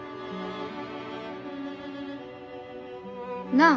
なあ。